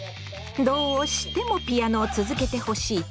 どうしてもピアノを続けてほしいと譲らない。